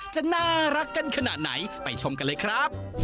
จะน่ารักกันขนาดไหนไปชมกันเลยครับ